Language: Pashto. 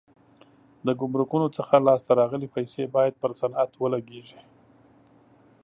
د ګمرکونو څخه لاس ته راغلي پیسې باید پر صنعت ولګېږي.